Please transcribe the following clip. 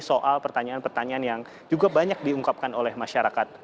soal pertanyaan pertanyaan yang juga banyak diungkapkan oleh masyarakat